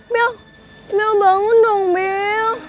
bell bell bangun dong bell